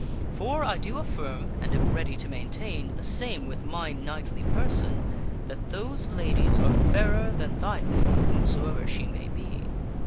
For I do affirm, and am ready to maintain the same with my knightly per son, that those ladies are fairer than thy lady, whomsoever she may be."